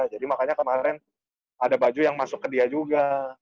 jadi makanya kemarin ada baju yang masuk ke dia juga